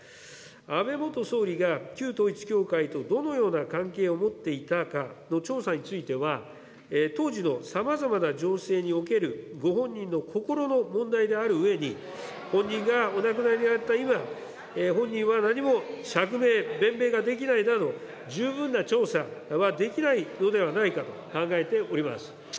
安倍元総理が旧統一教会とどのような関係を持っていたかの調査については、当時のさまざまな情勢におけるご本人の心の問題であるうえに、本人がお亡くなりになった今、本人は何も釈明、弁明ができないなど、十分な調査はできないのではないかと考えております。